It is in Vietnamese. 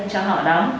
cho họ đóng